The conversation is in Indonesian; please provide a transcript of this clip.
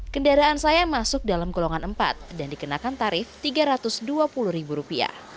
kendaraan saya masuk dalam golongan empat dan dikenakan tarif rp tiga ratus dua puluh